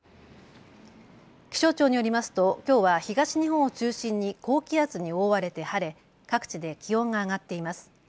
気象庁によりますときょうは東日本を中心に高気圧に覆われて晴れ各地で気温が上がっています。